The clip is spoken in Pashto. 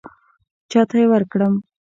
چاته یې ورکړم.